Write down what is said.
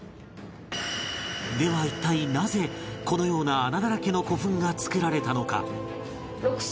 では一体なぜこのような穴だらけの古墳が作られたのか？